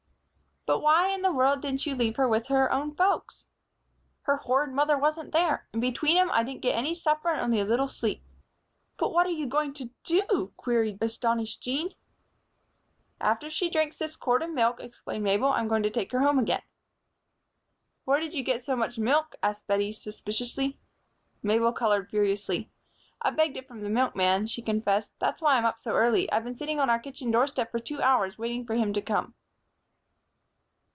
"But why in the world didn't you leave her with her own folks?" "Her horrid mother wasn't there. And between 'em, I didn't get any supper and only a little sleep." "But what are you going to do?" queried astonished Jean. "After she drinks this quart of milk," explained Mabel, "I'm going to take her home again." "Where did you get so much milk?" asked Bettie, suspiciously. Mabel colored furiously. "I begged it from the milkman," she confessed. "That's why I'm up so early. I've been sitting on our kitchen doorstep for two hours, waiting for him to come."